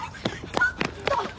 ちょっと。